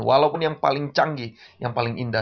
walaupun yang paling canggih yang paling indah